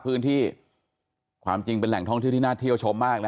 พื้นที่ความจริงเป็นแหล่งท่องเที่ยวที่น่าเที่ยวชมมากนะ